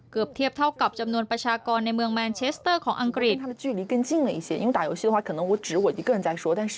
เทียบเท่ากับจำนวนประชากรในเมืองแมนเชสเตอร์ของอังกฤษ